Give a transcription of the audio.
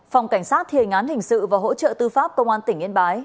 phòng cảnh sát thiền án hình sự và hỗ trợ tư pháp công an tỉnh yên bái